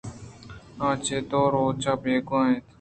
آ چہ دو روچاں بیگواہ اِنت۔